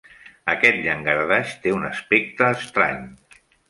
Aquest llangardaix té un aspecte estrany.